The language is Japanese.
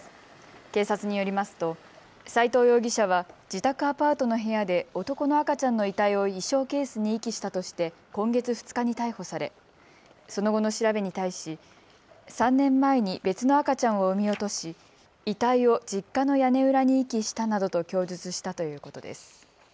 警察によりますと齋藤容疑者は自宅アパートの部屋で男の赤ちゃんの遺体を衣装ケースに遺棄したとして今月２日に逮捕されその後の調べに対し３年前に別の赤ちゃんを産み落とし遺体を実家の屋根裏に遺棄したなどと供述したということです。